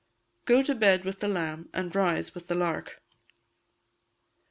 [GO TO BED WITH THE LAMB AND RISE WITH THE LARK.